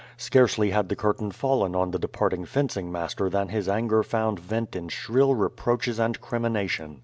Scarcely had the curtain fallen on the departing fencing master than his anger found vent in shrill reproaches and crimination.